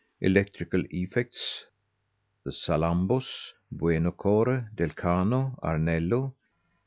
ELECTRICAL EFFECTS, THE SALAMBOS. BUENO CORE. DEL KANO. BARNELLO.